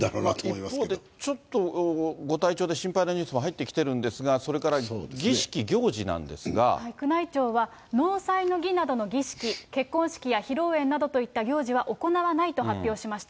一方で、ちょっとご体調で心配なニュースも入ってきてるんですが、それか宮内庁は、納采の儀などの儀式、結婚式や披露宴などといった行事は行わないと発表しました。